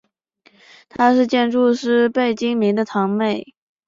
她是建筑师贝聿铭的堂妹。